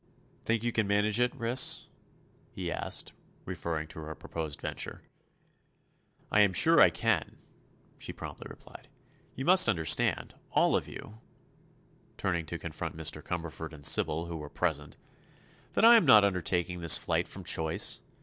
"Think you can manage it, Ris?" he asked, referring to her proposed venture. "I am sure I can," she promptly replied. "You must understand—all of you," turning to confront Mr. Cumberford and Sybil, who were present, "that I am not undertaking this flight from choice.